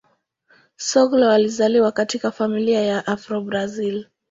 Soglo alizaliwa katika familia ya Afro-Brazil.